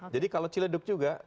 jadi kalau ciledug juga